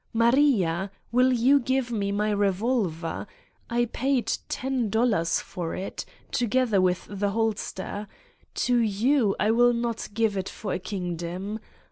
Maria! Will you give me my revolver? I paid ten dollars for it, together with the holster. To 138 Satan's Diary you I will not give it for a kingdom!